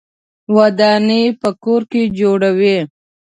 ودانۍ په کې جوړوي.